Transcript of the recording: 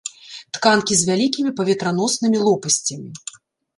Тканкі з вялікімі паветраноснымі лопасцямі.